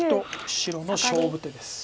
白の勝負手です。